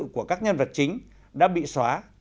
của các nhân vật chính đã bị xóa